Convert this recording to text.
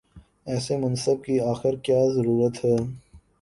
ایسے منصب کی آخر کیا ضرورت ہے؟